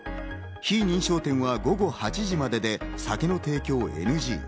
非認証店は午後８時までで酒の提供をＮＧ。